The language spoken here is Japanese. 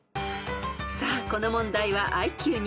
［さあこの問題はＩＱ２００］